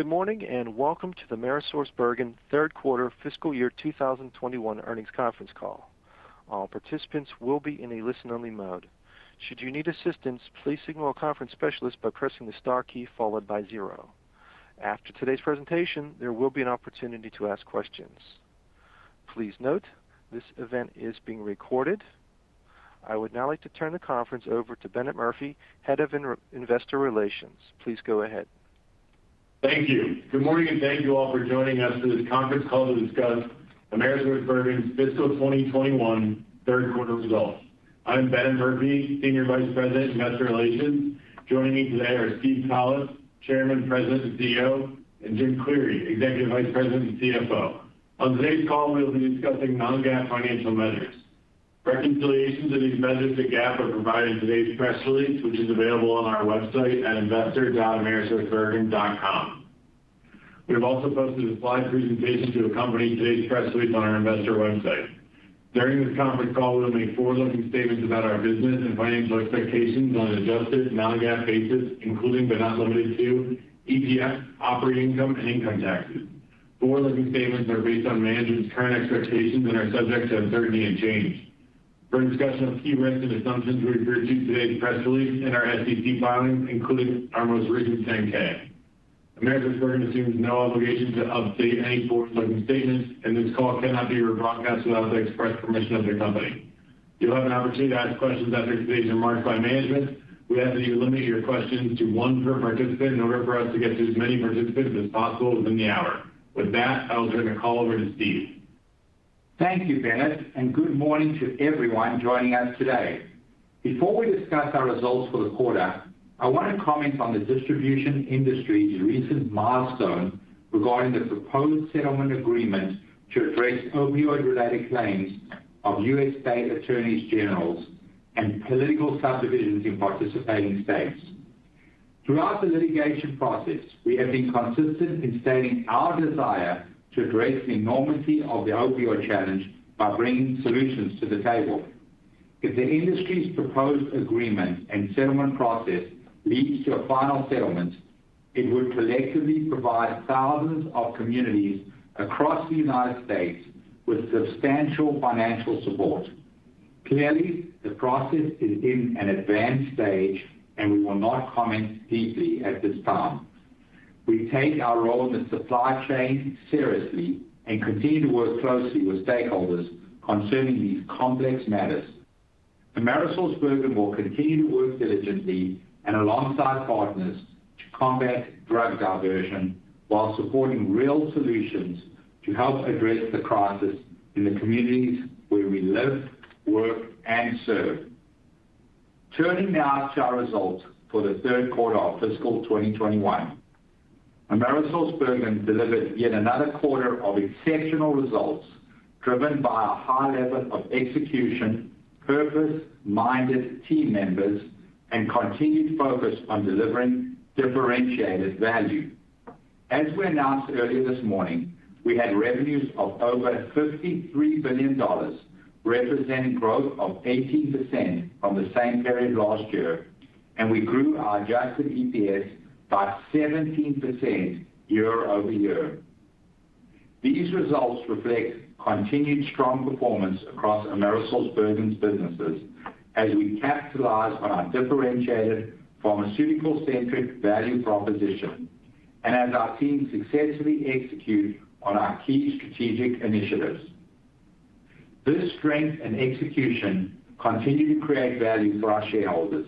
Good morning, welcome to the AmerisourceBergen 3rd quarter fiscal year 2021 earnings conference call. All participants will be in a listen-only mode. Should you need assistance, please signal a conference specialist by pressing the star key followed by zero. After today's presentation, there will be an opportunity to ask questions. Please note, this event is being recorded. I would now like to turn the conference over to Bennett Murphy, Head of Investor Relations. Please go ahead. Thank you. Good morning, and thank you all for joining us for this conference call to discuss AmerisourceBergen's fiscal 2021 third quarter results. I'm Bennett Murphy, Senior Vice President, Investor Relations. Joining me today are Steve Collis, Chairman, President, and CEO, and Jim Cleary, Executive Vice President and CFO. On today's call, we'll be discussing non-GAAP financial measures. Reconciliations of these measures to GAAP are provided in today's press release, which is available on our website at investor.amerisourcebergen.com. We have also posted a slide presentation to accompany today's press release on our investor website. During this conference call, we'll make forward-looking statements about our business and financial expectations on an adjusted non-GAAP basis, including but not limited to EPS, operating income, and income taxes. Forward-looking statements are based on management's current expectations and are subject to uncertainty and change. For a discussion of key risks and assumptions, we refer to today's press release and our SEC filings, including our most recent 10-K. AmerisourceBergen assumes no obligation to update any forward-looking statements, and this call cannot be rebroadcast without the express permission of the company. You'll have an opportunity to ask questions after today's remarks by management. We ask that you limit your questions to one per participant in order for us to get to as many participants as possible within the hour. With that, I will turn the call over to Steve. Thank you, Bennett, and good morning to everyone joining us today. Before we discuss our results for the quarter, I want to comment on the distribution industry's recent milestone regarding the proposed settlement agreement to address opioid-related claims of U.S. state attorneys general and political subdivisions in participating states. Throughout the litigation process, we have been consistent in stating our desire to address the enormity of the opioid challenge by bringing solutions to the table. If the industry's proposed agreement and settlement process leads to a final settlement, it would collectively provide thousands of communities across the United States with substantial financial support. The process is in an advanced stage, and we will not comment deeply at this time. We take our role in the supply chain seriously and continue to work closely with stakeholders concerning these complex matters. AmerisourceBergen will continue to work diligently and alongside partners to combat drug diversion while supporting real solutions to help address the crisis in the communities where we live, work, and serve. Turning now to our results for the third quarter of fiscal 2021. AmerisourceBergen delivered yet another quarter of exceptional results driven by a high level of execution, purpose-minded team members, and continued focus on delivering differentiated value. We announced earlier this morning, we had revenues of over $53 billion, representing growth of 18% from the same period last year, and we grew our adjusted EPS by 17% year-over-year. These results reflect continued strong performance across AmerisourceBergen's businesses as we capitalize on our differentiated pharmaceutical-centric value proposition and as our team successfully execute on our key strategic initiatives. This strength and execution continue to create value for our shareholders,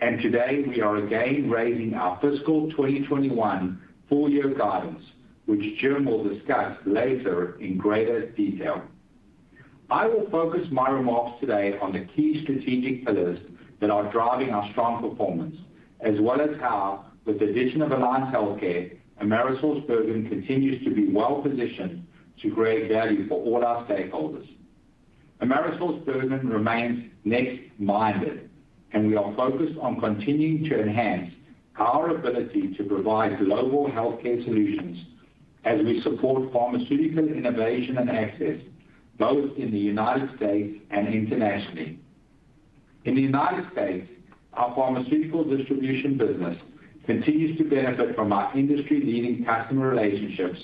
and today we are again raising our fiscal 2021 full-year guidance, which Jim will discuss later in greater detail. I will focus my remarks today on the key strategic pillars that are driving our strong performance, as well as how, with the addition of Alliance Healthcare, AmerisourceBergen continues to be well-positioned to create value for all our stakeholders. AmerisourceBergen remains next minded, and we are focused on continuing to enhance our ability to provide global healthcare solutions as we support pharmaceutical innovation and access, both in the United States and internationally. In the United States, our pharmaceutical distribution business continues to benefit from our industry-leading customer relationships,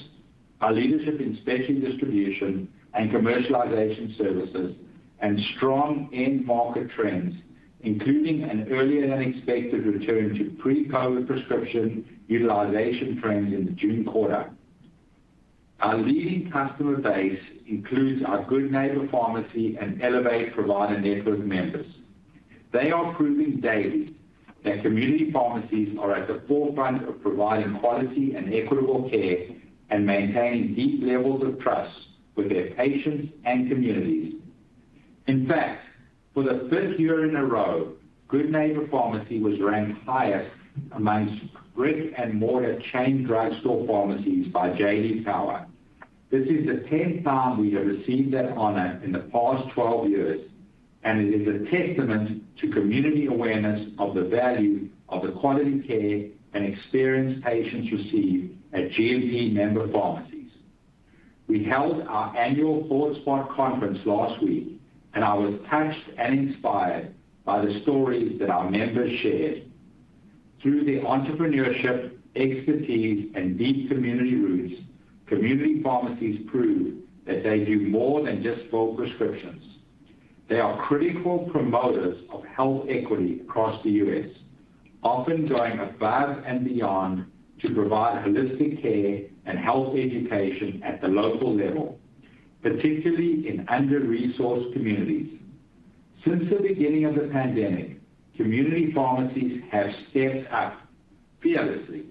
our leadership in specialty distribution and commercialization services, and strong end market trends, including an earlier-than-expected return to pre-COVID prescription utilization trends in the June quarter. Our leading customer base includes our Good Neighbor Pharmacy and Elevate Provider Network members. They are proving daily that community pharmacies are at the forefront of providing quality and equitable care and maintaining deep levels of trust with their patients and communities. In fact, for the 5th year in a row, Good Neighbor Pharmacy was ranked highest amongst brick-and-mortar chain drugstore pharmacies by J.D. Power. This is the 10th time we have received that honor in the past 12 years, and it is a testament to community awareness of the value of the quality care and experience patients receive at GNP member pharmacies. We held our annual ThoughtSpot conference last week, and I was touched and inspired by the stories that our members shared. Through their entrepreneurship, expertise, and deep community roots, community pharmacies prove that they do more than just fill prescriptions. They are critical promoters of health equity across the U.S., often going above and beyond to provide holistic care and health education at the local level, particularly in under-resourced communities. Since the beginning of the pandemic, community pharmacies have stepped up fearlessly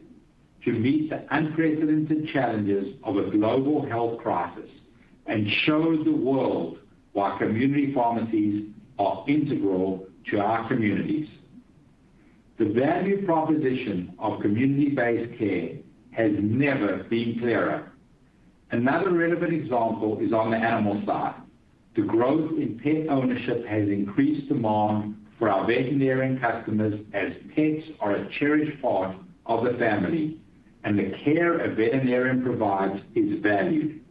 to meet the unprecedented challenges of a global health crisis and shown the world why community pharmacies are integral to our communities. The value proposition of community-based care has never been clearer. Another relevant example is on the animal side. The growth in pet ownership has increased demand for our veterinarian customers as pets are a cherished part of the family, and the care a veterinarian provides is valued.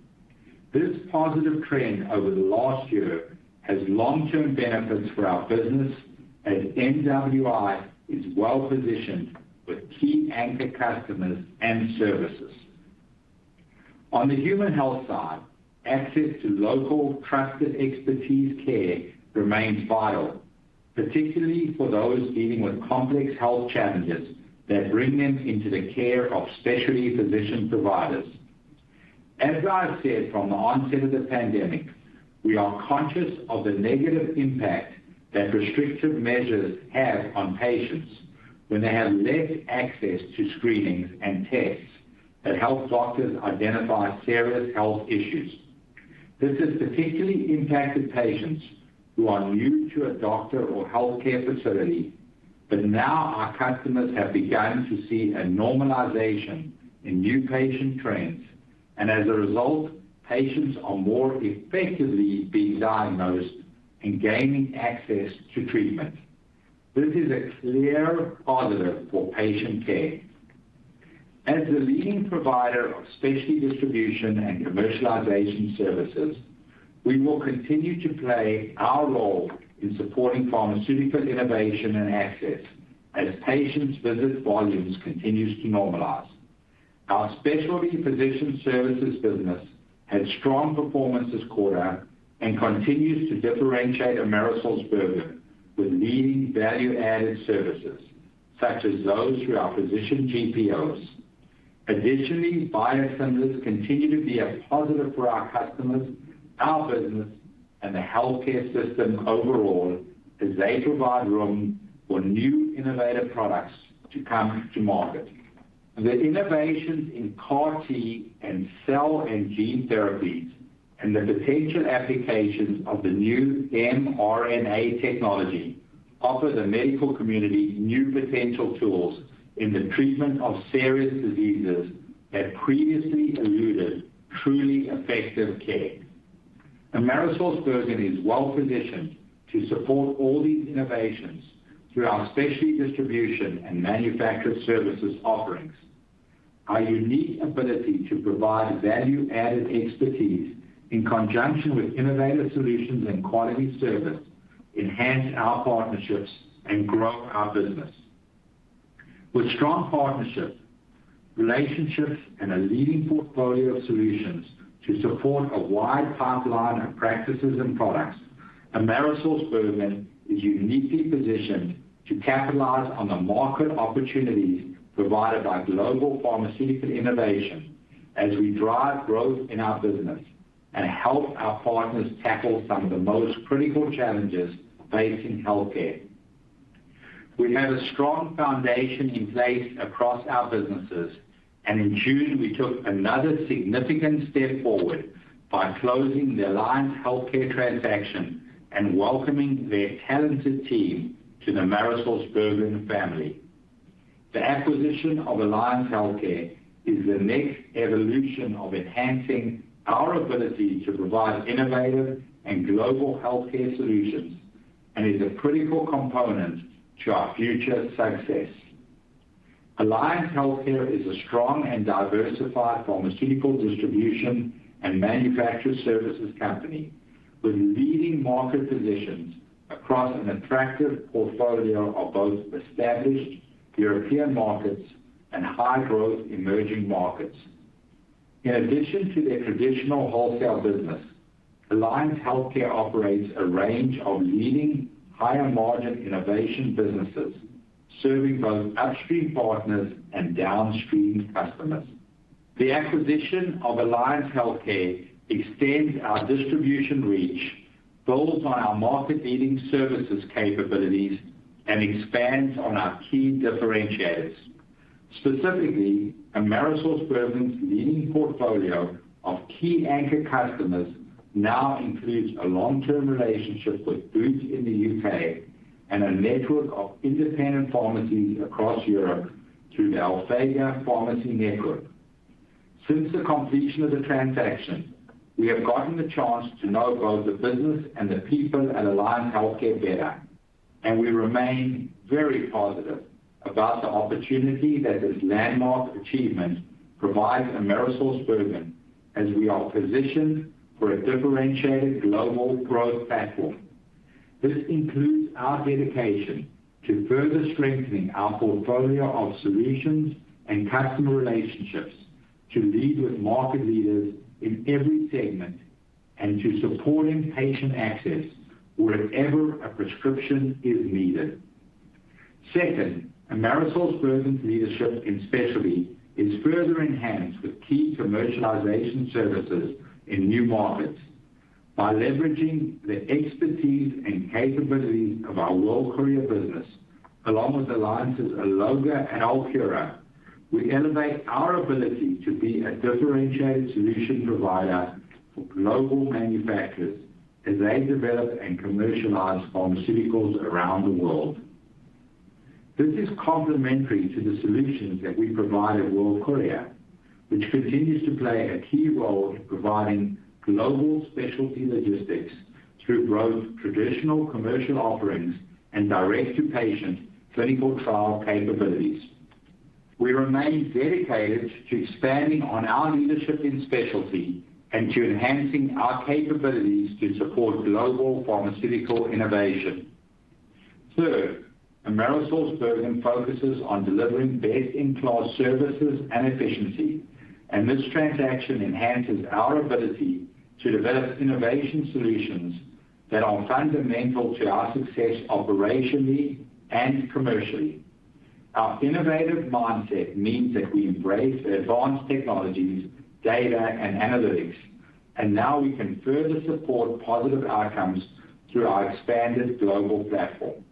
This positive trend over the last year has long-term benefits for our business, as MWI is well-positioned with key anchor customers and services. On the human health side, access to local trusted expertise care remains vital, particularly for those dealing with complex health challenges that bring them into the care of specialty physician providers. As I have said from the onset of the pandemic, we are conscious of the negative impact that restrictive measures have on patients when they have less access to screenings and tests that help doctors identify serious health issues. This has particularly impacted patients who are new to a doctor or healthcare facility. Now our customers have begun to see a normalization in new patient trends, and as a result, patients are more effectively being diagnosed and gaining access to treatment. This is a clear positive for patient care. As the leading provider of specialty distribution and commercialization services, we will continue to play our role in supporting pharmaceutical innovation and access as patients' visit volumes continues to normalize. Our specialty physician services business had strong performance this quarter and continues to differentiate AmerisourceBergen with leading value-added services such as those through our physician GPOs. Additionally, biosimilars continue to be a positive for our customers, our business, and the healthcare system overall as they provide room for new innovative products to come to market. The innovations in CAR T and cell and gene therapies and the potential applications of the new mRNA technology offer the medical community new potential tools in the treatment of serious diseases that previously eluded truly effective care. AmerisourceBergen is well-positioned to support all these innovations through our specialty distribution and manufacturer services offerings. Our unique ability to provide value-added expertise in conjunction with innovative solutions and quality service enhance our partnerships and grow our business. With strong partnerships, relationships, and a leading portfolio of solutions to support a wide pipeline of practices and products, AmerisourceBergen is uniquely positioned to capitalize on the market opportunities provided by global pharmaceutical innovation as we drive growth in our business and help our partners tackle some of the most critical challenges facing healthcare. We have a strong foundation in place across our businesses, and in June, we took another significant step forward by closing the Alliance Healthcare transaction and welcoming their talented team to the AmerisourceBergen family. The acquisition of Alliance Healthcare is the next evolution of enhancing our ability to provide innovative and global healthcare solutions and is a critical component to our future success. Alliance Healthcare is a strong and diversified pharmaceutical distribution and manufacture services company with leading market positions across an attractive portfolio of both established European markets and high-growth emerging markets. In addition to their traditional wholesale business, Alliance Healthcare operates a range of leading higher-margin innovation businesses serving both upstream partners and downstream customers. The acquisition of Alliance Healthcare extends our distribution reach, builds on our market-leading services capabilities, and expands on our key differentiators. Specifically, AmerisourceBergen's leading portfolio of key anchor customers now includes a long-term relationship with Boots in the U.K. and a network of independent pharmacies across Europe through the Alphega Pharmacy Network. Since the completion of the transaction, we have gotten the chance to know both the business and the people at Alliance Healthcare better. We remain very positive about the opportunity that this landmark achievement provides AmerisourceBergen as we are positioned for a differentiated global growth platform. This includes our dedication to further strengthening our portfolio of solutions and customer relationships to lead with market leaders in every segment, and to supporting patient access wherever a prescription is needed. Second, AmerisourceBergen's leadership in specialty is further enhanced with key commercialization services in new markets. By leveraging the expertise and capabilities of our World Courier business, along with Alliance's Alloga and Alcura, we elevate our ability to be a differentiated solution provider for global manufacturers as they develop and commercialize pharmaceuticals around the world. This is complementary to the solutions that we provide at World Courier, which continues to play a key role in providing global specialty logistics through both traditional commercial offerings and direct-to-patient clinical trial capabilities. We remain dedicated to expanding on our leadership in specialty and to enhancing our capabilities to support global pharmaceutical innovation. Third, AmerisourceBergen focuses on delivering best-in-class services and efficiency, this transaction enhances our ability to develop innovation solutions that are fundamental to our success operationally and commercially. Our innovative mindset means that we embrace advanced technologies, data, and analytics, now we can further support positive outcomes through our expanded global platform.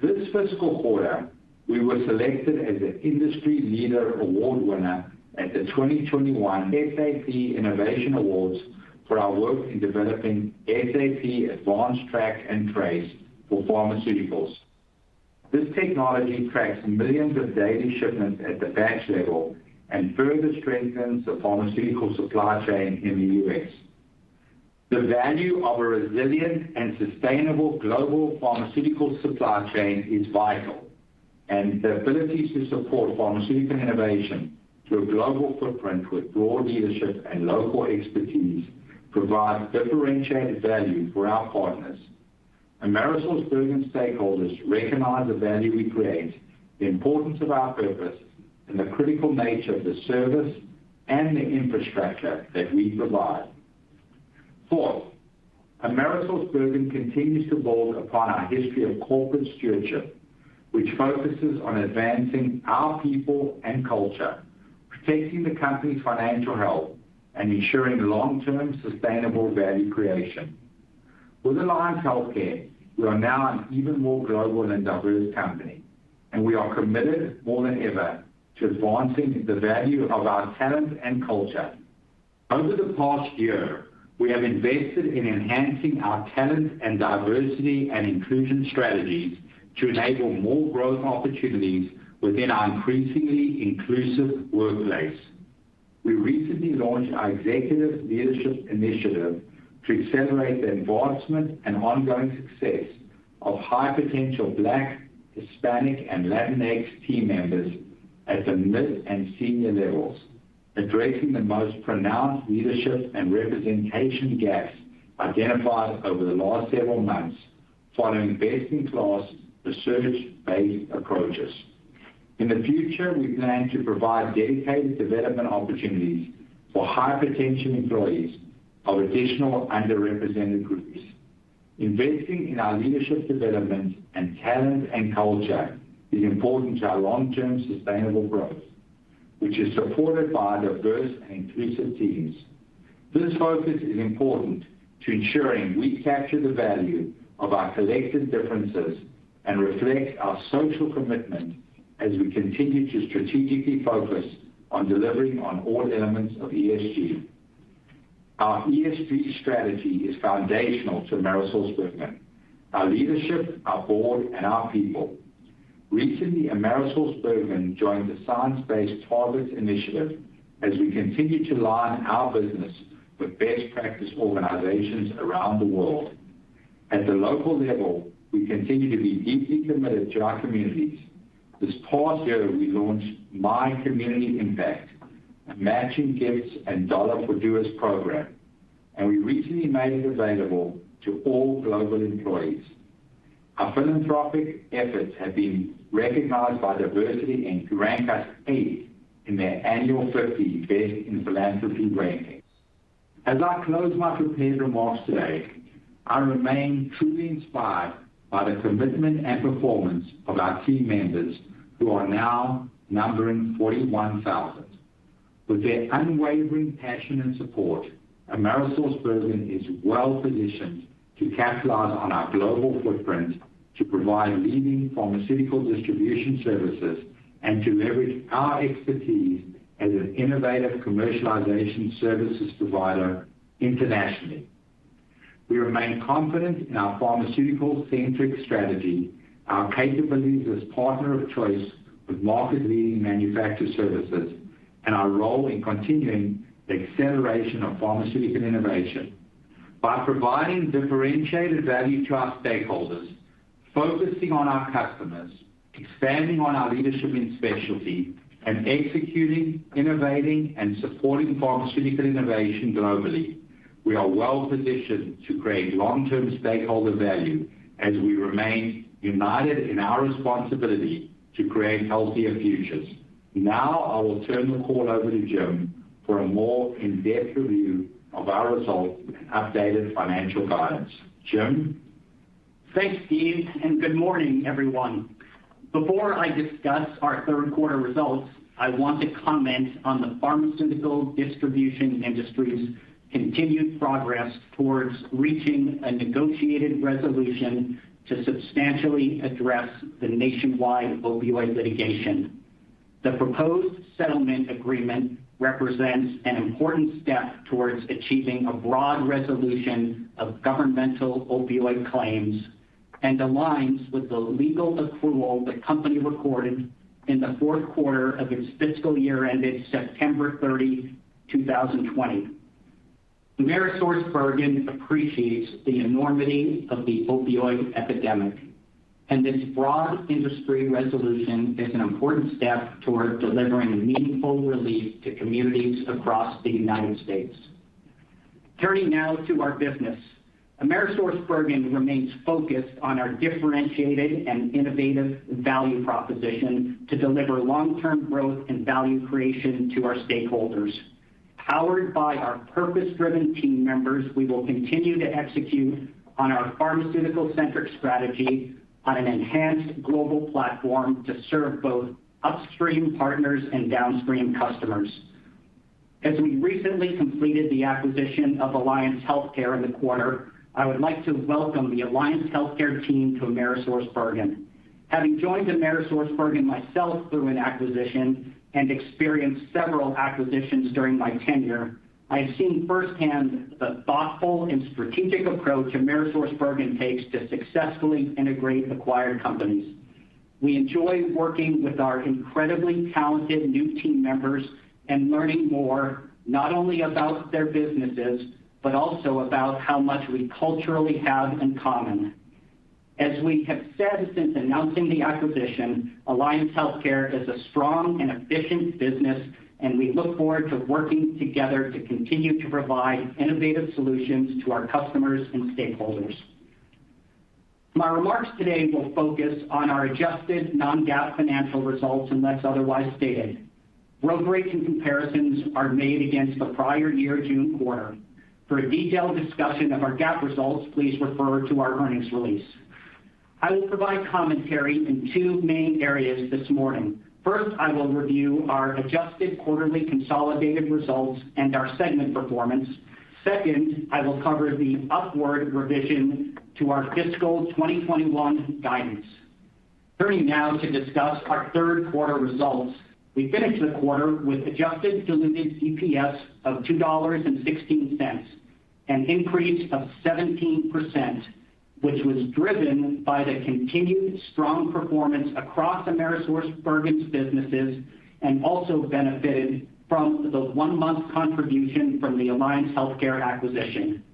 This fiscal quarter, we were selected as an industry leader award winner at the 2021 SAP Innovation Awards for our work in developing SAP Advanced Track and Trace for Pharmaceuticals. This technology tracks millions of daily shipments at the batch level and further strengthens the pharmaceutical supply chain in the U.S. The value of a resilient and sustainable global pharmaceutical supply chain is vital, and the ability to support pharmaceutical innovation through a global footprint with broad leadership and local expertise provides differentiated value for our partners. AmerisourceBergen stakeholders recognize the value we create, the importance of our purpose, and the critical nature of the service and the infrastructure that we provide. Fourth, AmerisourceBergen continues to build upon our history of corporate stewardship, which focuses on advancing our people and culture, protecting the company's financial health, and ensuring long-term sustainable value creation. With Alliance Healthcare, we are now an even more global and diverse company, and we are committed more than ever to advancing the value of our talent and culture. Over the past year, we have invested in enhancing our talent and diversity and inclusion strategies to enable more growth opportunities within our increasingly inclusive workplace. We recently launched our executive leadership initiative to accelerate the advancement and ongoing success of high-potential Black, Hispanic, and Latinx team members at the mid and senior levels, addressing the most pronounced leadership and representation gaps identified over the last several months following best-in-class research-based approaches. In the future, we plan to provide dedicated development opportunities for high-potential employees of additional underrepresented groups. Investing in our leadership development and talent and culture is important to our long-term sustainable growth, which is supported by diverse and inclusive teams. This focus is important to ensuring we capture the value of our collective differences and reflect our social commitment as we continue to strategically focus on delivering on all elements of ESG. Our ESG strategy is foundational to AmerisourceBergen, our leadership, our board, and our people. Recently, AmerisourceBergen joined the Science Based Targets initiative as we continue to align our business with best practice organizations around the world. At the local level, we continue to be deeply committed to our communities. This past year, we launched My Community Impact, a matching gifts and dollar for doers program, and we recently made it available to all global employees. Our philanthropic efforts have been recognized by DiversityInc to rank us eighth in their annual 50 Best in Philanthropy rankings. As I close my prepared remarks today, I remain truly inspired by the commitment and performance of our team members who are now numbering 41,000. With their unwavering passion and support, AmerisourceBergen is well-positioned to capitalize on our global footprint to provide leading pharmaceutical distribution services and to leverage our expertise as an innovative commercialization services provider internationally. We remain confident in our pharmaceutical-centric strategy, our capabilities as partner of choice with market-leading manufacturer services. Our role in continuing the acceleration of pharmaceutical innovation. By providing differentiated value to our stakeholders, focusing on our customers, expanding on our leadership in specialty, and executing, innovating, and supporting pharmaceutical innovation globally, we are well-positioned to create long-term stakeholder value as we remain united in our responsibility to create healthier futures. Now, I will turn the call over to Jim for a more in-depth review of our results and updated financial guidance. Jim? Thanks, Steve, and good morning, everyone. Before I discuss our third quarter results, I want to comment on the pharmaceutical distribution industry's continued progress towards reaching a negotiated resolution to substantially address the nationwide opioid litigation. The proposed settlement agreement represents an important step towards achieving a broad resolution of governmental opioid claims and aligns with the legal accrual the company recorded in the fourth quarter of its fiscal year ended September 30, 2020. AmerisourceBergen appreciates the enormity of the opioid epidemic, and this broad industry resolution is an important step toward delivering meaningful relief to communities across the United States. Turning now to our business. AmerisourceBergen remains focused on our differentiated and innovative value proposition to deliver long-term growth and value creation to our stakeholders. Powered by our purpose-driven team members, we will continue to execute on our pharmaceutical-centric strategy on an enhanced global platform to serve both upstream partners and downstream customers. As we recently completed the acquisition of Alliance Healthcare in the quarter, I would like to welcome the Alliance Healthcare team to AmerisourceBergen. Having joined AmerisourceBergen myself through an acquisition and experienced several acquisitions during my tenure, I have seen firsthand the thoughtful and strategic approach AmerisourceBergen takes to successfully integrate acquired companies. We enjoy working with our incredibly talented new team members and learning more not only about their businesses, but also about how much we culturally have in common. As we have said since announcing the acquisition, Alliance Healthcare is a strong and efficient business, and we look forward to working together to continue to provide innovative solutions to our customers and stakeholders. My remarks today will focus on our adjusted non-GAAP financial results unless otherwise stated. Growth rates and comparisons are made against the prior year June quarter. For a detailed discussion of our GAAP results, please refer to our earnings release. I will provide commentary in two main areas this morning. First, I will review our adjusted quarterly consolidated results and our segment performance. Second, I will cover the upward revision to our fiscal 2021 guidance. Turning now to discuss our third quarter results. We finished the quarter with adjusted diluted EPS of $2.16, an increase of 17%, which was driven by the continued strong performance across AmerisourceBergen's businesses and also benefited from the one-month contribution from the Alliance Healthcare acquisition.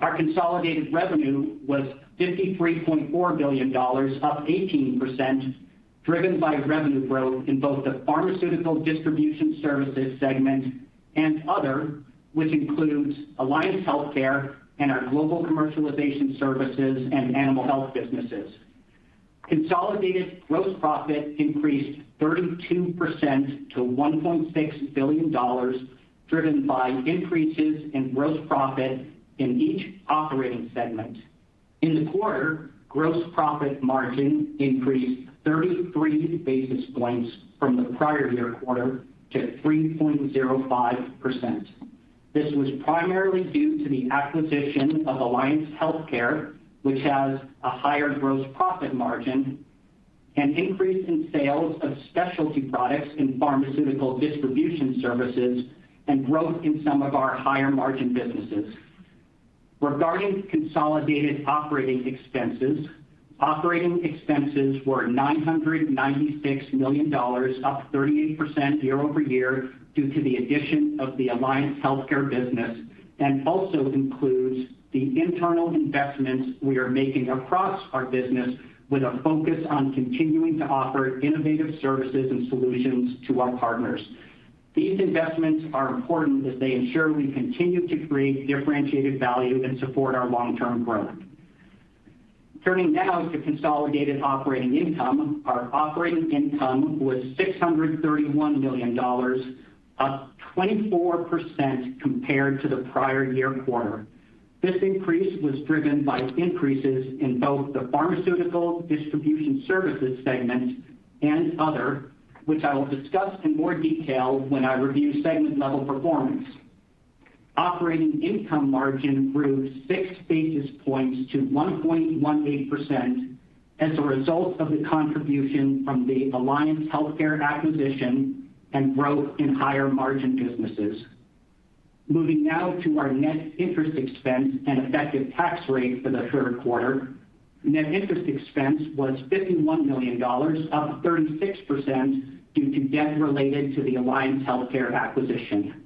Our consolidated revenue was $53.4 billion, up 18%, driven by revenue growth in both the Pharmaceutical Distribution Services segment and Other, which includes Alliance Healthcare and our Global Commercialization Services and Animal Health businesses. Consolidated gross profit increased 32% to $1.6 billion, driven by increases in gross profit in each operating segment. In the quarter, gross profit margin increased 33 basis points from the prior year quarter to 3.05%. This was primarily due to the acquisition of Alliance Healthcare, which has a higher gross profit margin, an increase in sales of specialty products in Pharmaceutical Distribution Services, and growth in some of our higher-margin businesses. Regarding consolidated operating expenses, operating expenses were $996 million, up 38% year-over-year due to the addition of the Alliance Healthcare business and also includes the internal investments we are making across our business with a focus on continuing to offer innovative services and solutions to our partners. These investments are important as they ensure we continue to create differentiated value and support our long-term growth. Turning now to consolidated operating income. Our operating income was $631 million, up 24% compared to the prior year quarter. This increase was driven by increases in both the Pharmaceutical Distribution Services segment and Other, which I will discuss in more detail when I review segment-level performance. Operating income margin improved 6 basis points to 1.18% as a result of the contribution from the Alliance Healthcare acquisition and growth in higher-margin businesses. Moving now to our net interest expense and effective tax rate for the third quarter. Net interest expense was $51 million, up 36% due to debt related to the Alliance Healthcare acquisition.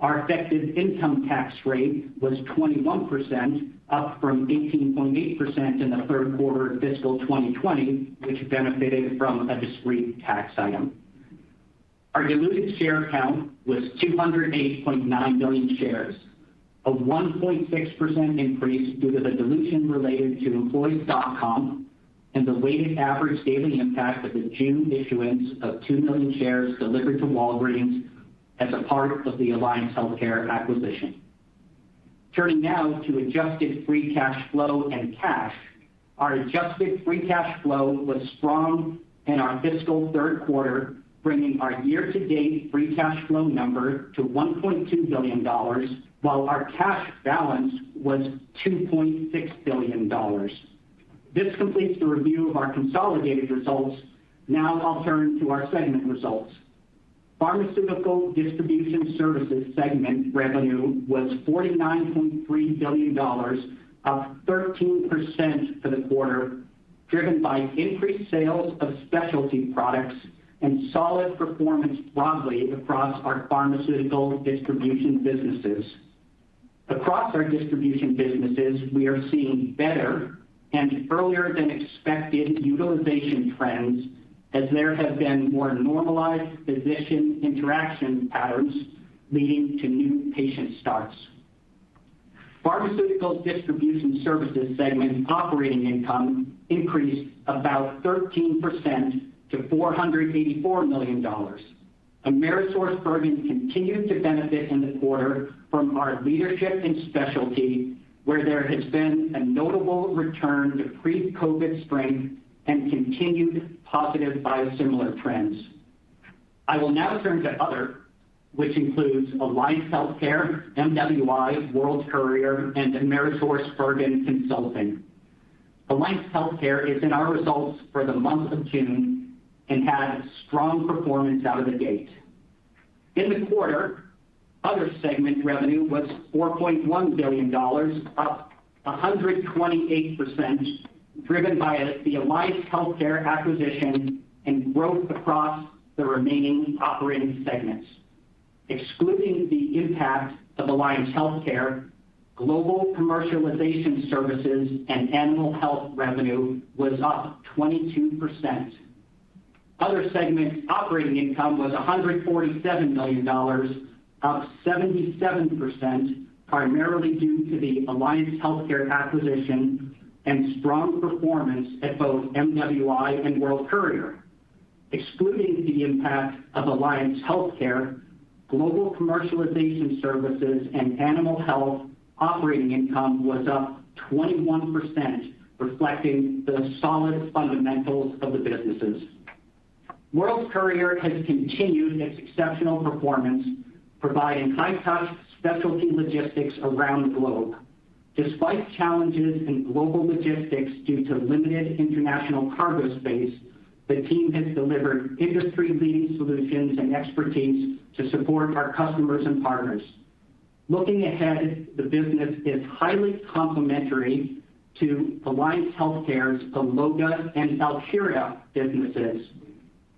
Our effective income tax rate was 21%, up from 18.8% in the third quarter of fiscal 2020, which benefited from a discrete tax item. Our diluted share count was 208.9 million shares, a 1.6% increase due to the dilution related to employee stock comp and the weighted average daily impact of the June issuance of 2 million shares delivered to Walgreens as a part of the Alliance Healthcare acquisition. Turning now to adjusted free cash flow and cash. Our adjusted free cash flow was strong in our fiscal third quarter, bringing our year-to-date free cash flow number to $1.2 billion, while our cash balance was $2.6 billion. This completes the review of our consolidated results. Now I'll turn to our segment results. Pharmaceutical Distribution Services segment revenue was $49.3 billion, up 13% for the quarter, driven by increased sales of specialty products and solid performance broadly across our pharmaceutical distribution businesses. Across our distribution businesses, we are seeing better and earlier than expected utilization trends as there have been more normalized physician interaction patterns leading to new patient starts. Pharmaceutical Distribution Services segment operating income increased about 13% to $484 million. AmerisourceBergen continued to benefit in the quarter from our leadership in specialty, where there has been a notable return to pre-COVID strength and continued positive biosimilar trends. I will now turn to Other, which includes Alliance Healthcare, MWI, World Courier, and AmerisourceBergen Consulting. Alliance Healthcare is in our results for the month of June and had strong performance out of the gate. In the quarter, Other segment revenue was $4.1 billion, up 128%, driven by the Alliance Healthcare acquisition and growth across the remaining operating segments. Excluding the impact of Alliance Healthcare, Global Commercialization Services and Animal Health revenue was up 22%. Other segment operating income was $147 million, up 77%, primarily due to the Alliance Healthcare acquisition and strong performance at both MWI and World Courier. Excluding the impact of Alliance Healthcare, Global Commercialization Services and Animal Health operating income was up 21%, reflecting the solid fundamentals of the businesses. World Courier has continued its exceptional performance, providing high-touch specialty logistics around the globe. Despite challenges in global logistics due to limited international cargo space, the team has delivered industry-leading solutions and expertise to support our customers and partners. Looking ahead, the business is highly complementary to Alliance Healthcare's Alloga and Alcura businesses,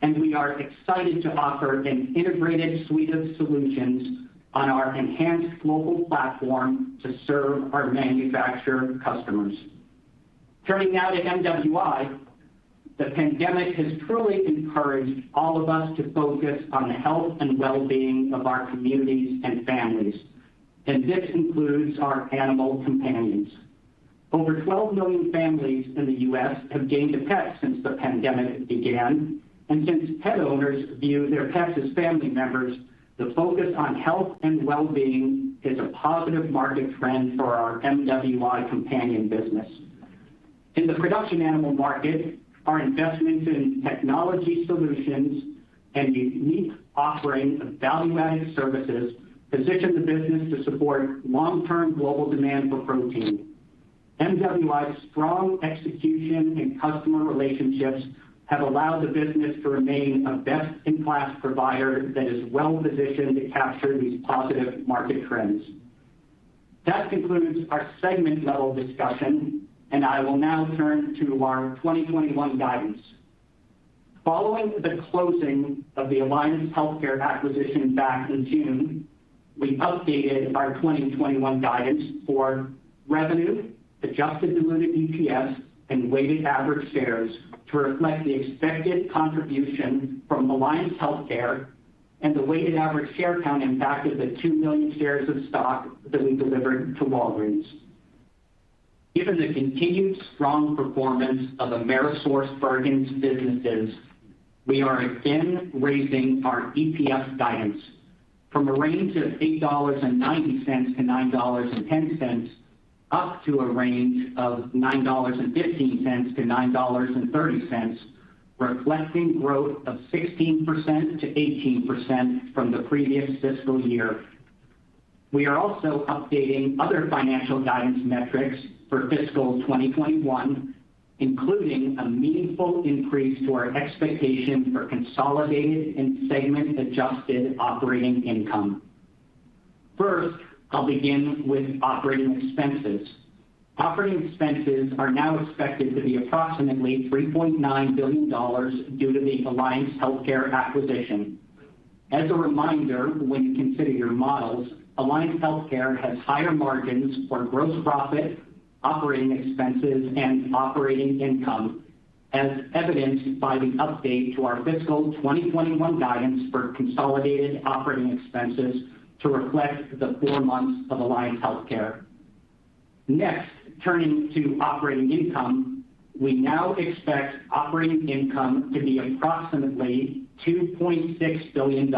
and we are excited to offer an integrated suite of solutions on our enhanced global platform to serve our manufacturer customers. Turning now to MWI, the pandemic has truly encouraged all of us to focus on the health and wellbeing of our communities and families, and this includes our animal companions. Over 12 million families in the U.S. have gained a pet since the pandemic began. Since pet owners view their pets as family members, the focus on health and wellbeing is a positive market trend for our MWI companion business. In the production animal market, our investments in technology solutions and unique offerings of value-added services position the business to support long-term global demand for protein. MWI's strong execution and customer relationships have allowed the business to remain a best-in-class provider that is well-positioned to capture these positive market trends. That concludes our segment-level discussion, and I will now turn to our 2021 guidance. Following the closing of the Alliance Healthcare acquisition back in June, we updated our 2021 guidance for revenue, adjusted diluted EPS, and weighted average shares to reflect the expected contribution from Alliance Healthcare and the weighted average share count impact of the 2 million shares of stock that we delivered to Walgreens. Given the continued strong performance of AmerisourceBergen's businesses, we are again raising our EPS guidance from a range of $8.90-$9.10, up to a range of $9.15-$9.30, reflecting growth of 16%-18% from the previous fiscal year. We are also updating other financial guidance metrics for fiscal 2021, including a meaningful increase to our expectation for consolidated and segment adjusted operating income. First, I'll begin with operating expenses. Operating expenses are now expected to be approximately $3.9 billion due to the Alliance Healthcare acquisition. As a reminder, when you consider your models, Alliance Healthcare has higher margins for gross profit, operating expenses, and operating income, as evidenced by the update to our fiscal 2021 guidance for consolidated operating expenses to reflect the 4 months of Alliance Healthcare. Next, turning to operating income. We now expect operating income to be approximately $2.6 billion.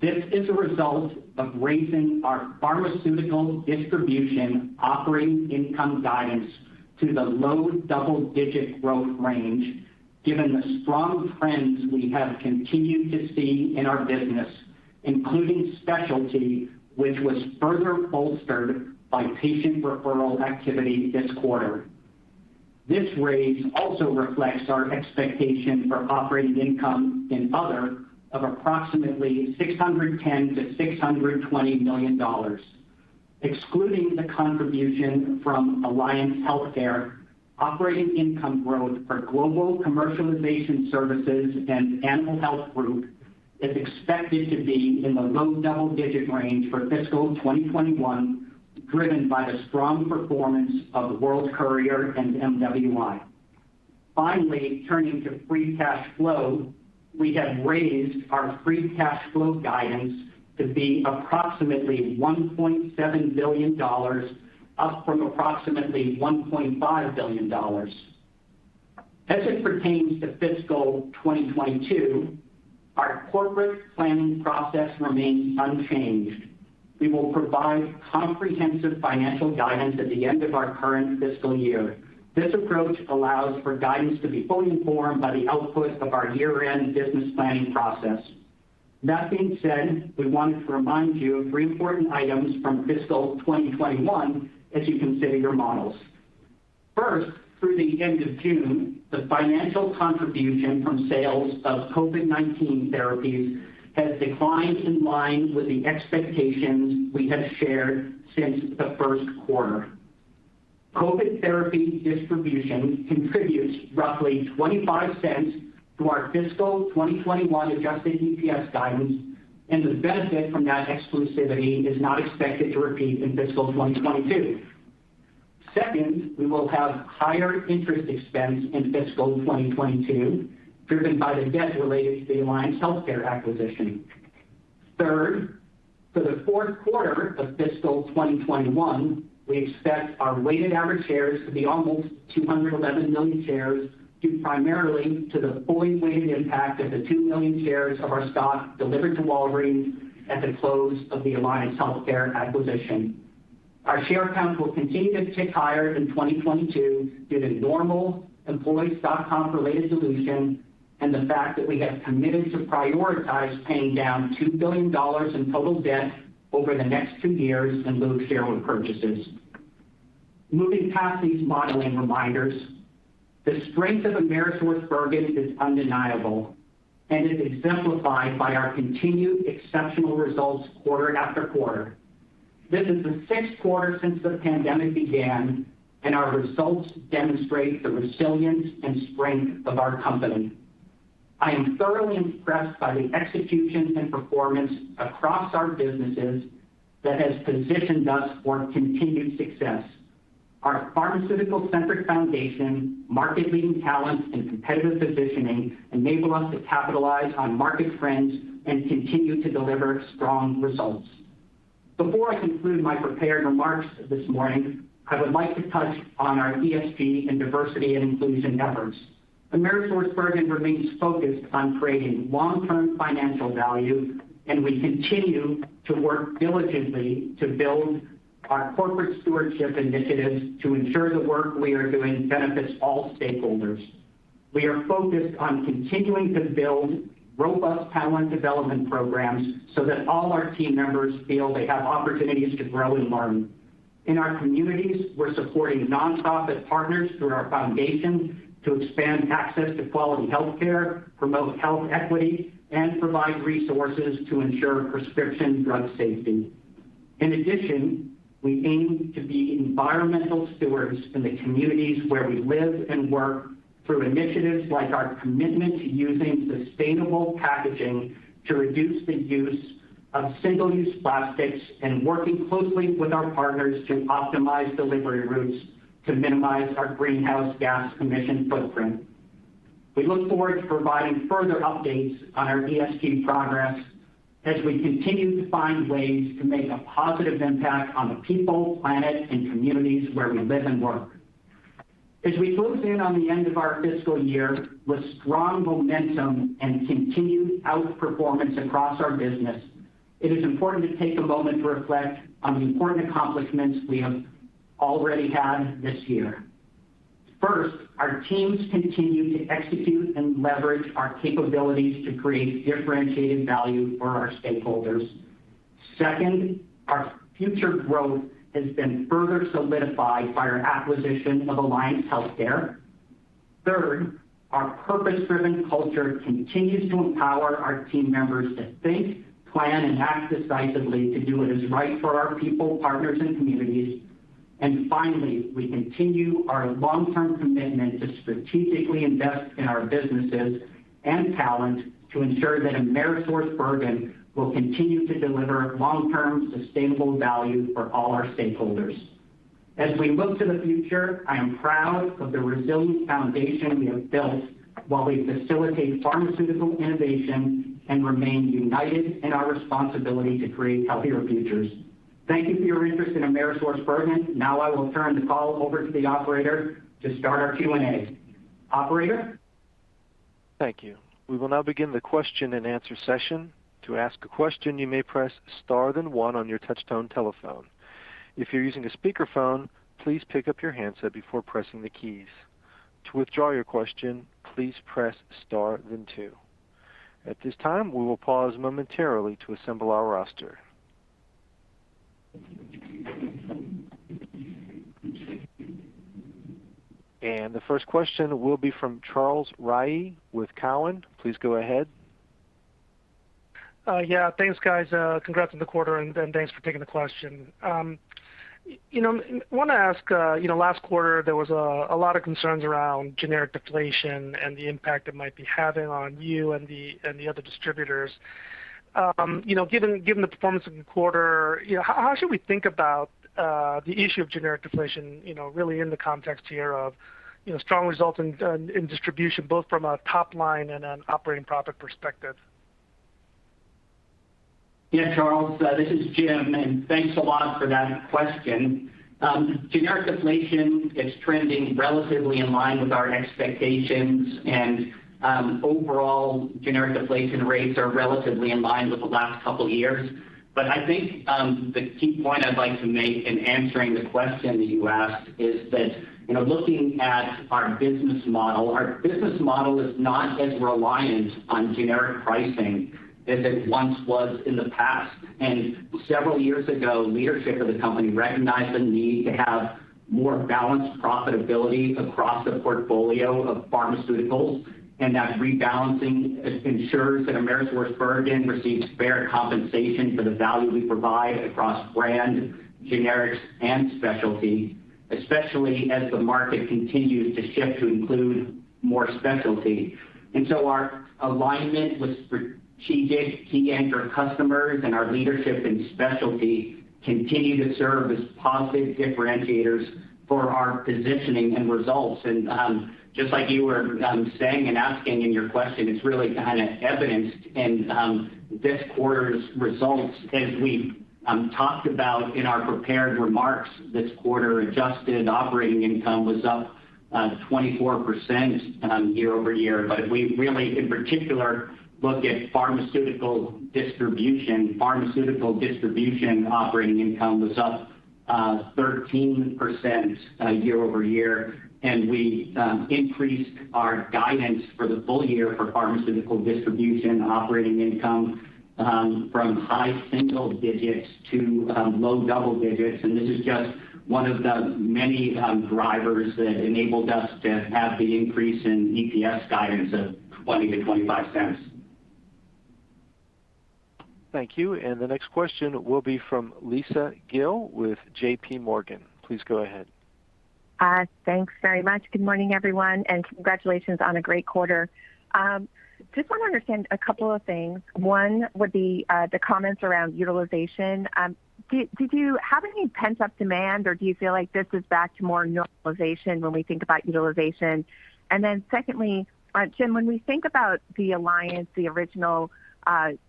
This is a result of raising our Pharmaceutical Distribution operating income guidance to the low double-digit growth range, given the strong trends we have continued to see in our business, including specialty, which was further bolstered by patient referral activity this quarter. This raise also reflects our expectation for operating income in other of approximately $610 million-$620 million. Excluding the contribution from Alliance Healthcare, operating income growth for Global Commercialization Services and Animal Health Group is expected to be in the low double-digit range for fiscal 2021, driven by the strong performance of World Courier and MWI. Finally, turning to free cash flow. We have raised our free cash flow guidance to be approximately $1.7 billion, up from approximately $1.5 billion. As it pertains to fiscal 2022, our corporate planning process remains unchanged. We will provide comprehensive financial guidance at the end of our current fiscal year. This approach allows for guidance to be fully informed by the output of our year-end business planning process. That being said, we wanted to remind you of three important items from fiscal 2021 as you consider your models. First, through the end of June, the financial contribution from sales of COVID-19 therapies has declined in line with the expectations we have shared since the first quarter. COVID therapy distribution contributes roughly $0.25 to our fiscal 2021 adjusted EPS guidance, and the benefit from that exclusivity is not expected to repeat in fiscal 2022. Second, we will have higher interest expense in fiscal 2022 driven by the debt related to the Alliance Healthcare acquisition. Third, for the fourth quarter of fiscal 2021, we expect our weighted average shares to be almost 211 million shares, due primarily to the fully weighted impact of the 2 million shares of our stock delivered to Walgreens at the close of the Alliance Healthcare acquisition. Our share count will continue to tick higher in 2022 due to normal employee stock comp related dilution and the fact that we have committed to prioritize paying down $2 billion in total debt over the next two years and build shareholder purchases. Moving past these modeling reminders, the strength of AmerisourceBergen is undeniable and is exemplified by our continued exceptional results quarter after quarter. Our results demonstrate the resilience and strength of our company. I am thoroughly impressed by the execution and performance across our businesses that has positioned us for continued success. Our pharmaceutical-centric foundation, market-leading talents, and competitive positioning enable us to capitalize on market trends and continue to deliver strong results. Before I conclude my prepared remarks this morning, I would like to touch on our ESG and diversity and inclusion efforts. AmerisourceBergen remains focused on creating long-term financial value, and we continue to work diligently to build our corporate stewardship initiatives to ensure the work we are doing benefits all stakeholders. We are focused on continuing to build robust talent development programs so that all our team members feel they have opportunities to grow and learn. In our communities, we're supporting nonprofit partners through our foundation to expand access to quality healthcare, promote health equity, and provide resources to ensure prescription drug safety. In addition, we aim to be environmental stewards in the communities where we live and work through initiatives like our commitment to using sustainable packaging to reduce the use of single-use plastics and working closely with our partners to optimize delivery routes to minimize our greenhouse gas emission footprint. We look forward to providing further updates on our ESG progress as we continue to find ways to make a positive impact on the people, planet, and communities where we live and work. As we close in on the end of our fiscal year with strong momentum and continued outperformance across our business, it is important to take a moment to reflect on the important accomplishments we have already had this year. First, our teams continue to execute and leverage our capabilities to create differentiated value for our stakeholders. Second, our future growth has been further solidified by our acquisition of Alliance Healthcare. Third, our purpose-driven culture continues to empower our team members to think, plan, and act decisively to do what is right for our people, partners, and communities. Finally, we continue our long-term commitment to strategically invest in our businesses and talent to ensure that AmerisourceBergen will continue to deliver long-term sustainable value for all our stakeholders. As we look to the future, I am proud of the resilient foundation we have built while we facilitate pharmaceutical innovation and remain united in our responsibility to create healthier futures. Thank you for your interest in AmerisourceBergen. Now I will turn the call over to the operator to start our Q&A. Operator? Thank you. We will now begin the question-and-answer session. To ask a question you may press star the one on your touch-tone telephone. If you're using a speaker phone please pick up your handset before pressing the keys. To withdraw your question please press star then two. At this time, we will pause momentarily to assemble our roster. The first question will be from Charles Rhyee with Cowen. Please go ahead. Yeah. Thanks, guys. Congrats on the quarter, and thanks for taking the question. I want to ask, last quarter, there was a lot of concerns around generic deflation and the impact it might be having on you and the other distributors. Given the performance of the quarter, how should we think about the issue of generic deflation, really in the context here of strong results in distribution, both from a top line and an operating profit perspective? Charles, this is Jim, and thanks a lot for that question. Generic deflation is trending relatively in line with our expectations. Overall generic deflation rates are relatively in line with the last couple of years. I think the key point I'd like to make in answering the question that you asked is that looking at our business model, our business model is not as reliant on generic pricing as it once was in the past. Several years ago, leadership of the company recognized the need to have more balanced profitability across the portfolio of pharmaceuticals, and that rebalancing ensures that AmerisourceBergen receives fair compensation for the value we provide across brand, generics, and specialty, especially as the market continues to shift to include more specialty. Our alignment with strategic key anchor customers and our leadership in specialty continue to serve as positive differentiators for our positioning and results. Just like you were saying and asking in your question, it's really kind of evidenced in this quarter's results. As we talked about in our prepared remarks, this quarter adjusted operating income was up 24% year-over-year. If we really, in particular, look at Pharmaceutical Distribution, Pharmaceutical Distribution operating income was up 13% year-over-year. We increased our guidance for the full year for Pharmaceutical Distribution operating income from high single digits to low double digits. This is just one of the many drivers that enabled us to have the increase in EPS guidance of $0.20-$0.25. Thank you. The next question will be from Lisa Gill with JPMorgan. Please go ahead. Thanks very much. Good morning, everyone. Congratulations on a great quarter. Just want to understand a couple of things. One would be the comments around utilization. Did you have any pent-up demand, or do you feel like this is back to more normalization when we think about utilization? Secondly, Jim, when we think about the Alliance, the original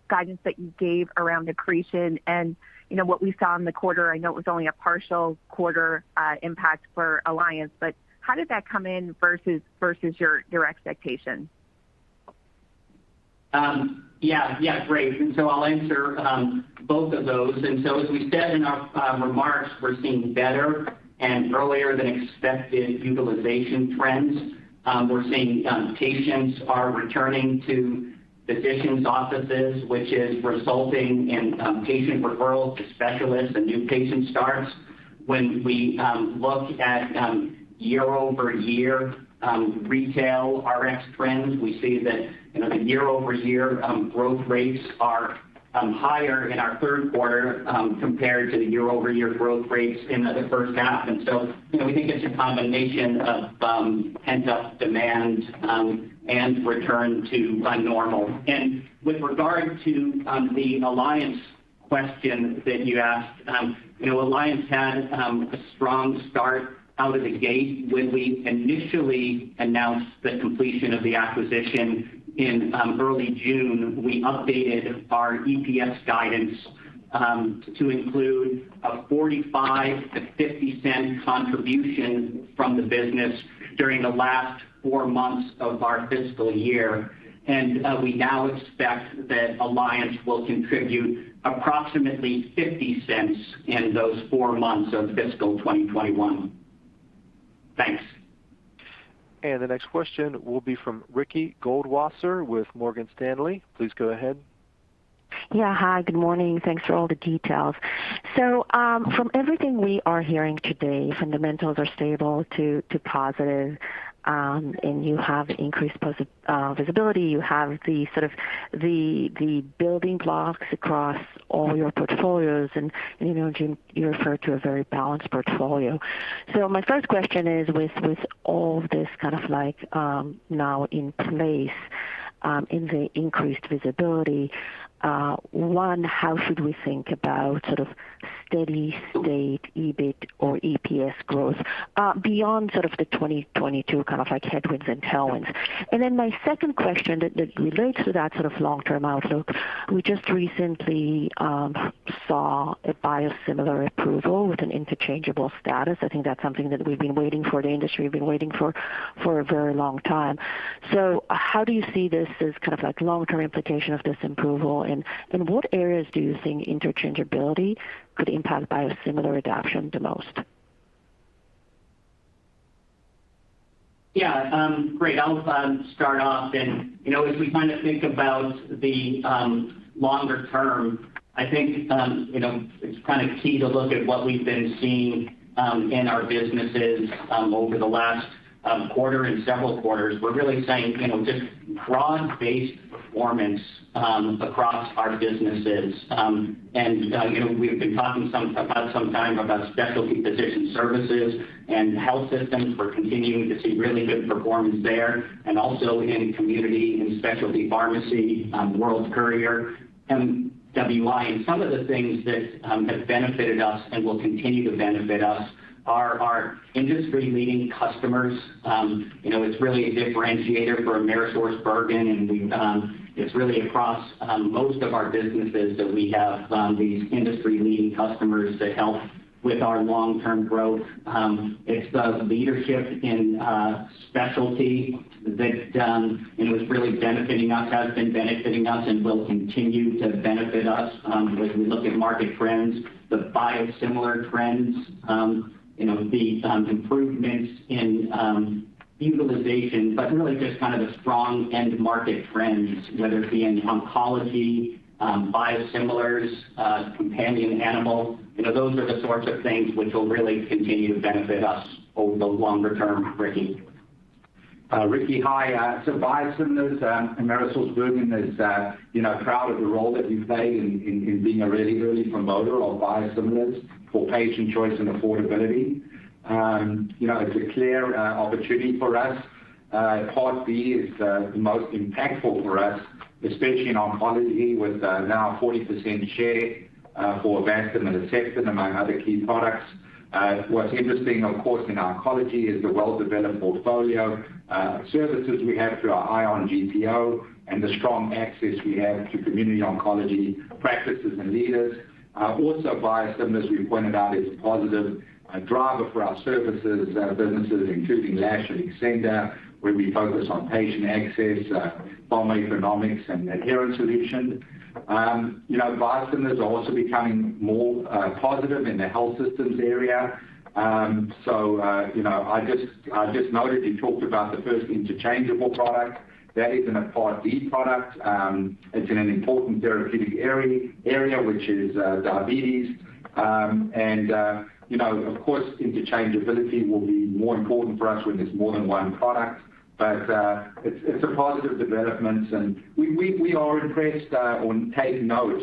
guidance that you gave around accretion and what we saw in the quarter, I know it was only a partial quarter impact for Alliance, but how did that come in versus your expectation? Yeah. Great. I'll answer both of those. As we said in our remarks, we're seeing better and earlier than expected utilization trends. We're seeing patients are returning to physicians' offices, which is resulting in patient referrals to specialists and new patient starts. When we look at year-over-year retail RX trends, we see that the year-over-year growth rates are higher in our 3rd quarter compared to the year-over-year growth rates in the 1st half. We think it's a combination of pent-up demand and return to normal. With regard to the Alliance question that you asked, Alliance had a strong start out of the gate when we initially announced the completion of the acquisition in early June. We updated our EPS guidance to include a $0.45-$0.50 contribution from the business during the last four months of our fiscal year. We now expect that Alliance will contribute approximately $0.50 in those four months of fiscal 2021. Thanks. The next question will be from Ricky Goldwasser with Morgan Stanley. Please go ahead. Yeah. Hi, good morning. Thanks for all the details. From everything we are hearing today, fundamentals are stable to positive, and you have increased visibility. You have the building blocks across all your portfolios, and Jim, you referred to a very balanced portfolio. My first question is, with all this now in place, in the increased visibility, one, how should we think about steady state EBIT or EPS growth beyond the 2022 headwinds and tailwinds? My second question that relates to that long-term outlook, we just recently saw a biosimilar approval with an interchangeable status. I think that's something that we've been waiting for, the industry been waiting for a very long time. How do you see this as long-term implication of this approval, and in what areas do you think interchangeability could impact biosimilar adoption the most? Yeah. Great. I'll start off. As we think about the longer term, I think it's key to look at what we've been seeing in our businesses over the last quarter and several quarters. We're really seeing just broad-based performance across our businesses. We've been talking about some time about specialty physician services and health systems. We're continuing to see really good performance there and also in community and specialty pharmacy, World Courier, MWI. Some of the things that have benefited us and will continue to benefit us are our industry-leading customers. It's really a differentiator for AmerisourceBergen. It's really across most of our businesses that we have these industry-leading customers that help with our long-term growth. It's the leadership in specialty that is really benefiting us, has been benefiting us, and will continue to benefit us. As we look at market trends, the biosimilar trends, the improvements in utilization, really just the strong end market trends, whether it be in oncology, biosimilars, companion animal. Those are the sorts of things which will really continue to benefit us over the longer term, Ricky. Ricky, hi. Biosimilars, AmerisourceBergen is proud of the role that we play in being a really early promoter of biosimilars for patient choice and affordability. It's a clear opportunity for us. Part B is the most impactful for us, especially in oncology, with now a 40% share for Avastin and Herceptin, among other key products. What's interesting, of course, in oncology is the well-developed portfolio of services we have through our ION GPO and the strong access we have to community oncology practices and leaders. Biosimilars, we pointed out, is a positive driver for our services businesses, including Lash Group and Xcenda, where we focus on patient access, pharmacoeconomics, and adherence solutions. Biosimilars are also becoming more positive in the health systems area. I just noted you talked about the first interchangeable product. That is in a Part D product. It's in an important therapeutic area, which is diabetes. Of course, interchangeability will be more important for us when there's more than one product. It's a positive development, and we are impressed or take note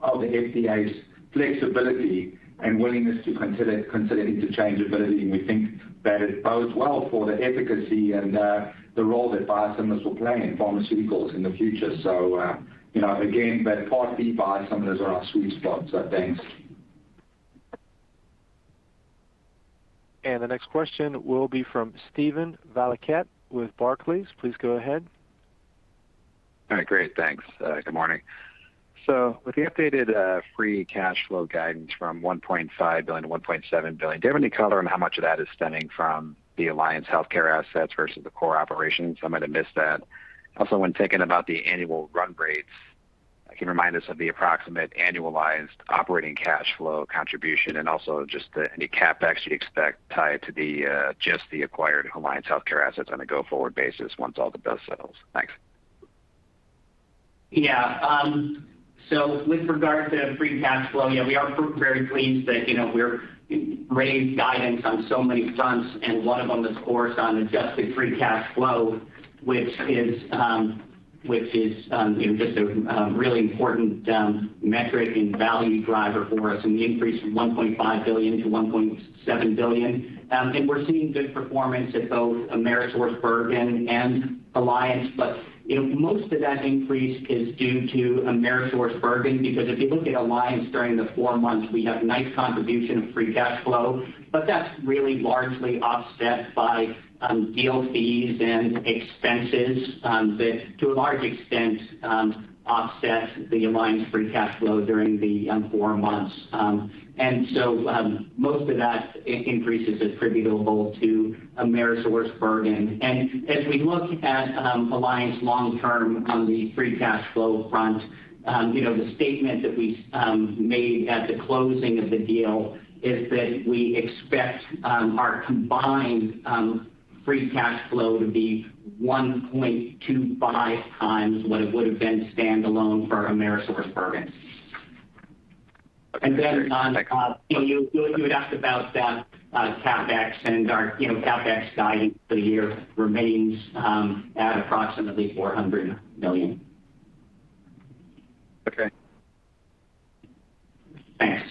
of the FDA's flexibility and willingness to consider interchangeability, and we think that it bodes well for the efficacy and the role that biosimilars will play in pharmaceuticals in the future. Again, but Part B biosimilars are our sweet spot. Thanks. The next question will be from Steven Valiquette with Barclays. Please go ahead. All right, great. Thanks. Good morning. With the updated free cash flow guidance from $1.5 billion to $1.7 billion, do you have any color on how much of that is stemming from the Alliance Healthcare assets versus the core operations? I might have missed that. When thinking about the annual run rates, can you remind us of the approximate annualized operating cash flow contribution, and also just any CapEx you expect tied to just the acquired Alliance Healthcare assets on a go-forward basis once all the dust settles? Thanks. With regard to free cash flow, we are very pleased that we've raised guidance on so many fronts, and one of them is, of course, on adjusted free cash flow, which is just a really important metric and value driver for us, and the increase from $1.5 billion to $1.7 billion. We're seeing good performance at both AmerisourceBergen and Alliance. Most of that increase is due to AmerisourceBergen, because if you look at Alliance during the four months, we have nice contribution of free cash flow, but that's really largely offset by deal fees and expenses that, to a large extent, offset the Alliance free cash flow during the four months. Most of that increase is attributable to AmerisourceBergen. As we look at Alliance long term on the free cash flow front, the statement that we made at the closing of the deal is that we expect our combined free cash flow would be 1.25 times what it would've been standalone for AmerisourceBergen. And then on, you had asked about that CapEx and our CapEx guidance for the year remains at approximately $400 million. Okay. Thanks.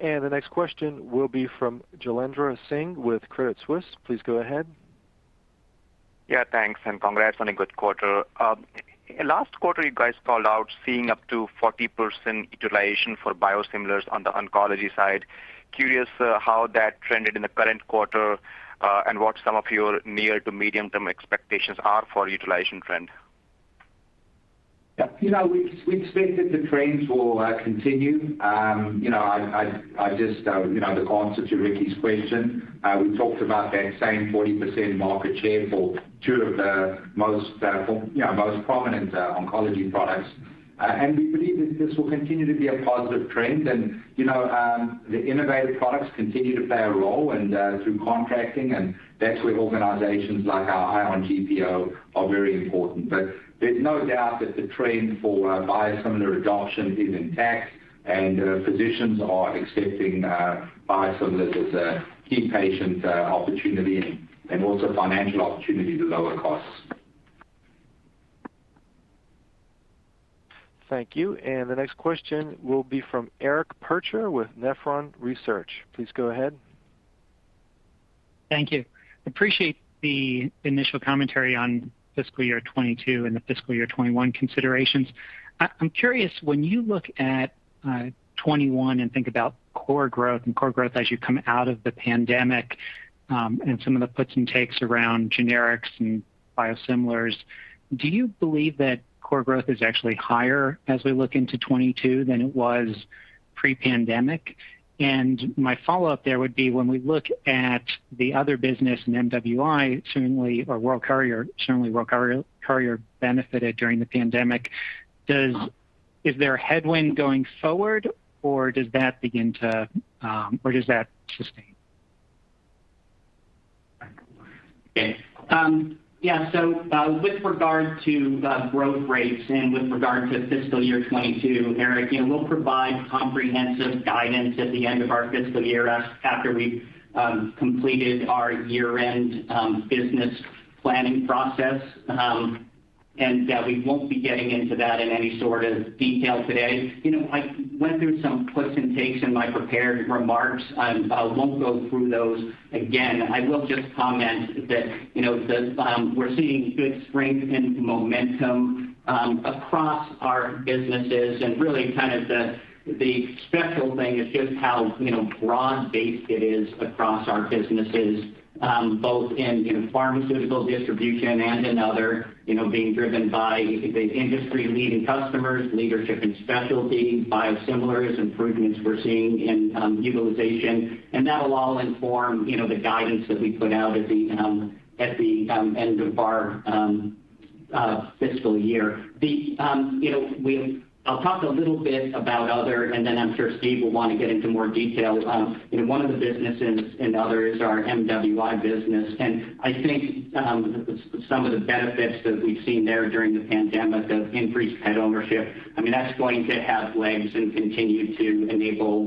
The next question will be from Jailendra Singh with Credit Suisse. Please go ahead. Yeah, thanks. Congrats on a good quarter. Last quarter, you guys called out seeing up to 40% utilization for biosimilars on the oncology side. Curious how that trended in the current quarter, and what some of your near to medium-term expectations are for utilization trend? Yeah. We expect that the trends will continue. The answer to Ricky's question, we talked about that same 40% market share for two of the most prominent oncology products. We believe that this will continue to be a positive trend and the innovative products continue to play a role and through contracting, and that's where organizations like our ION GPO are very important. There's no doubt that the trend for biosimilar adoption is intact and physicians are accepting biosimilars as a key patient opportunity and also financial opportunity to lower costs. Thank you. The next question will be from Eric Percher with Nephron Research. Please go ahead. Thank you. Appreciate the initial commentary on fiscal year 2022 and the fiscal year 2021 considerations. I'm curious, when you look at 2021 and think about core growth and core growth as you come out of the pandemic, and some of the puts and takes around generics and biosimilars, do you believe that core growth is actually higher as we look into 2022 than it was pre-pandemic? My follow-up there would be when we look at the Other Business and MWI, World Courier, certainly World Courier benefited during the pandemic. Is there a headwind going forward or does that sustain? Okay. Yeah. With regard to growth rates and with regard to fiscal year 2022, Eric, we'll provide comprehensive guidance at the end of our fiscal year after we've completed our year-end business planning process. Yeah, we won't be getting into that in any sort of detail today. I went through some puts and takes in my prepared remarks. I won't go through those again. I will just comment that we're seeing good strength and momentum across our businesses and really kind of the special thing is just how broad-based it is across our businesses, both in Pharmaceutical Distribution and in Other. Being driven by the industry-leading customers, leadership in specialty biosimilars, improvements we're seeing in utilization. That'll all inform the guidance that we put out at the end of our fiscal year. I'll talk a little bit about Other and then I'm sure Steve will want to get into more detail. One of the businesses in Other is our MWI business, and I think some of the benefits that we've seen there during the pandemic of increased pet ownership, I mean, that's going to have legs and continue to enable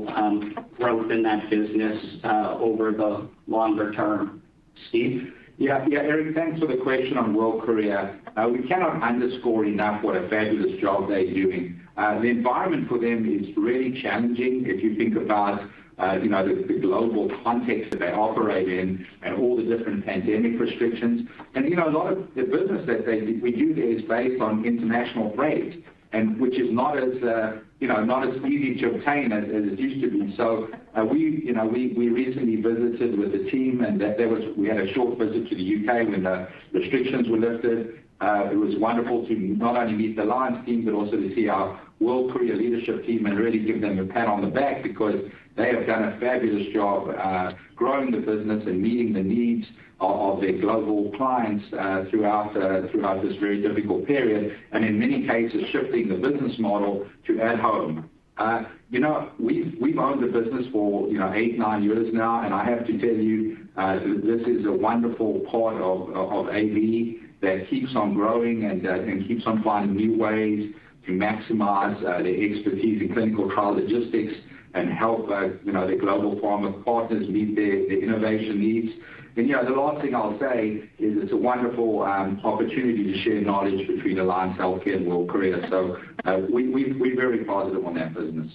growth in that business over the longer term. Steve? Yeah. Eric, thanks for the question on World Courier. We cannot underscore enough what a fabulous job they're doing. The environment for them is really challenging if you think about the global context that they operate in and all the different pandemic restrictions. A lot of the business that we do there is based on international freight, and which is not as easy to obtain as it used to be. We recently visited with the team and we had a short visit to the U.K. when the restrictions were lifted. It was wonderful to not only meet the Alliance team, but also to see our World Courier leadership team and really give them a pat on the back because they have done a fabulous job growing the business and meeting the needs of their global clients throughout this very difficult period. In many cases, shifting the business model to at-home. We've owned the business for eight, nine years now, and I have to tell you that this is a wonderful part of AmerisourceBergen that keeps on growing and keeps on finding new ways to maximize their expertise in clinical trial logistics and help their global pharma partners meet their innovation needs. The last thing I'll say is it's a wonderful opportunity to share knowledge between Alliance Healthcare and World Courier. We're very positive on that business.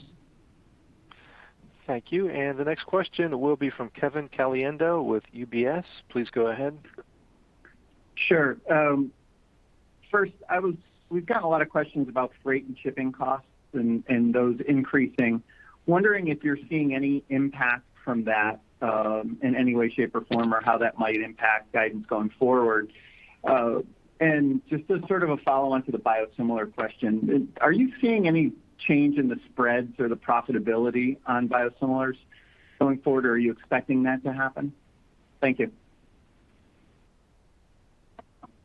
Thank you. The next question will be from Kevin Caliendo with UBS. Please go ahead. Sure. First, we've got a lot of questions about freight and shipping costs and those increasing. Wondering if you're seeing any impact from that, in any way, shape, or form, or how that might impact guidance going forward. Just as sort of a follow-on to the biosimilar question, are you seeing any change in the spreads or the profitability on biosimilars going forward, or are you expecting that to happen? Thank you.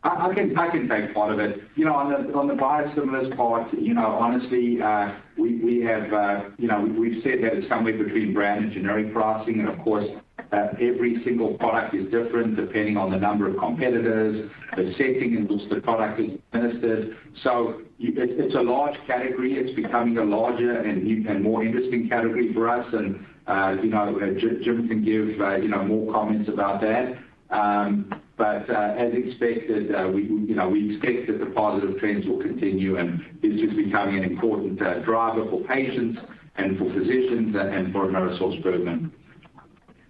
I can take part of it. On the biosimilars part, honestly, we've said that it's somewhere between brand and generic pricing. Of course, every single product is different depending on the number of competitors, the setting in which the product is administered. It's a large category. It's becoming a larger and more interesting category for us, and Jim can give more comments about that. As expected, we expect that the positive trends will continue, and it's just becoming an important driver for patients and for physicians and for AmerisourceBergen.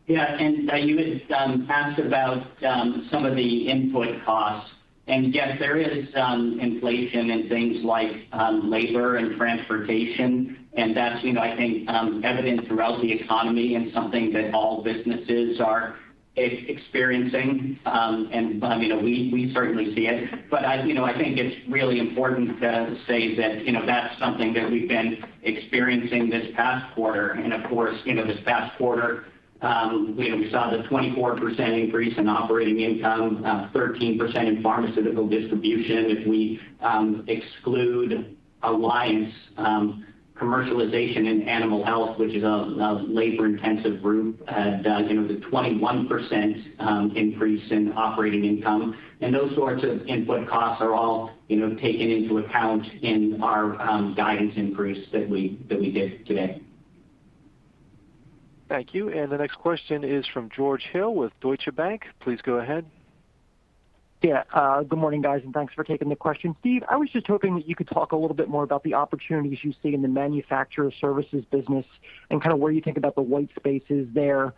Yeah. You had asked about some of the input costs. Yes, there is inflation in things like labor and transportation, and that's I think, evident throughout the economy and something that all businesses are experiencing. We certainly see it. I think it's really important to say that that's something that we've been experiencing this past quarter. Of course, this past quarter we saw the 24% increase in operating income, 13% in Pharmaceutical Distribution. If we exclude Alliance commercialization in Animal Health, which is a labor-intensive group, the 21% increase in operating income. Those sorts of input costs are all taken into account in our guidance increase that we gave today. Thank you. The next question is from George Hill with Deutsche Bank. Please go ahead. Yeah. Good morning, guys, and thanks for taking the question. Steve, I was just hoping that you could talk a little bit more about the opportunities you see in the manufacturer services business and where you think about the white spaces there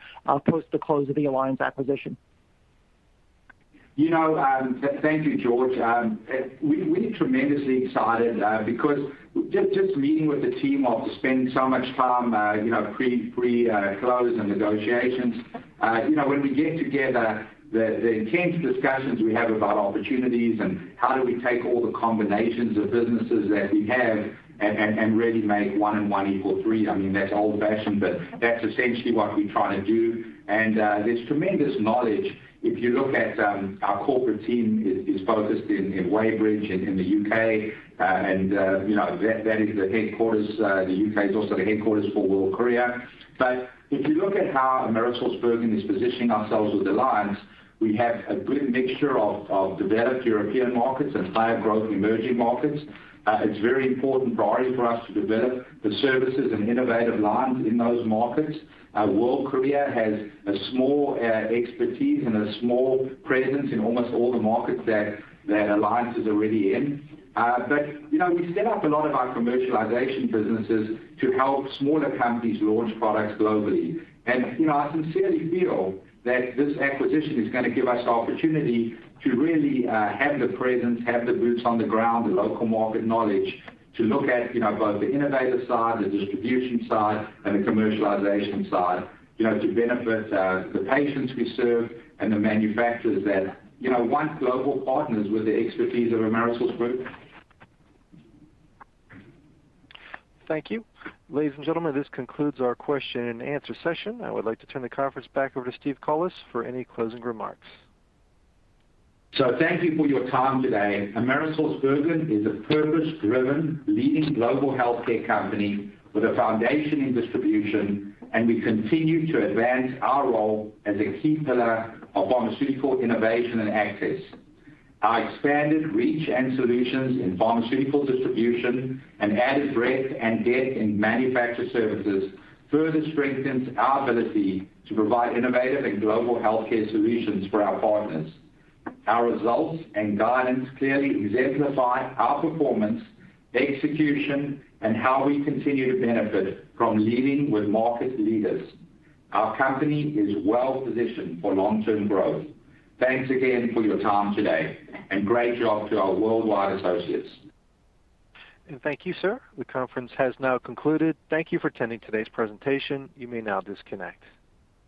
post the close of the Alliance acquisition. Thank you, George. We're tremendously excited because just meeting with the team, I've spent so much time pre-close and negotiations. When we get together, the intense discussions we have about opportunities and how do we take all the combinations of businesses that we have and really make one and one equal three. That's old-fashioned, but that's essentially what we're trying to do. There's tremendous knowledge. If you look at our corporate team is focused in Weybridge, in the U.K., and that is the headquarters. The U.K. is also the headquarters for World Courier. If you look at how AmerisourceBergen is positioning ourselves with Alliance, we have a good mixture of developed European markets and higher growth emerging markets. It's a very important priority for us to develop the services and innovative lines in those markets. World Courier has a small expertise and a small presence in almost all the markets that Alliance is already in. We set up a lot of our commercialization businesses to help smaller companies launch products globally. I sincerely feel that this acquisition is going to give us the opportunity to really have the presence, have the boots on the ground, the local market knowledge to look at both the innovator side, the distribution side, and the commercialization side to benefit the patients we serve and the manufacturers that want global partners with the expertise of AmerisourceBergen. Thank you. Ladies and gentlemen, this concludes our question-and-answer session. I would like to turn the conference back over to Steve Collis for any closing remarks. Thank you for your time today. AmerisourceBergen is a purpose-driven, leading global healthcare company with a foundation in distribution, and we continue to advance our role as a key pillar of pharmaceutical innovation and access. Our expanded reach and solutions in pharmaceutical distribution and added breadth and depth in manufacture services further strengthens our ability to provide innovative and global healthcare solutions for our partners. Our results and guidance clearly exemplify our performance, execution, and how we continue to benefit from leading with market leaders. Our company is well-positioned for long-term growth. Thanks again for your time today, and great job to our worldwide associates. And thank you, sir. The conference has now concluded. Thank you for attending today's presentation. You may now disconnect.